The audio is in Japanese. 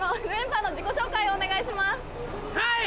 はい！